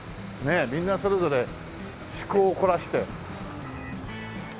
みんなそれぞれ趣向を凝らして。